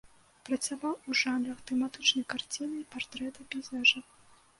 Працаваў у жанрах тэматычнай карціны, партрэта, пейзажа.